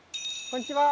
こんにちは。